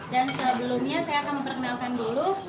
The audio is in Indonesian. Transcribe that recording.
dan sebelumnya saya akan memperkenalkan dulu